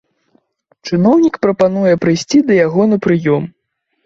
Чыноўнік прапануе прыйсці да яго на прыём.